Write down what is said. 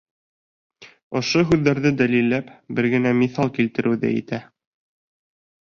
Ошо һүҙҙәрҙе дәлилләп бер генә миҫал килтереү ҙә етә.